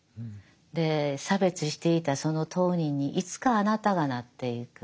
で差別していたその当人にいつかあなたがなっていく。